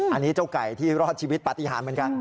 อันนี้เจ้าไก่ที่รอดชีวิตปฏิหารเหมือนกัน